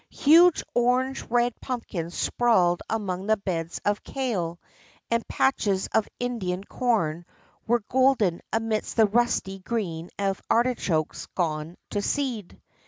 Huge orange red pumpkins sprawled among beds of kale, and patches of Indian corn were golden amidst the rusty green of artichokes gone to seed.